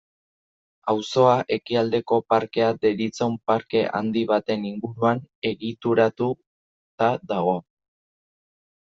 Auzoa Ekialdeko parkea deritzon parke handi baten inguruan egituratuta dago.